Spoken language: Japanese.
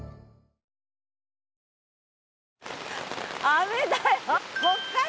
雨だよ。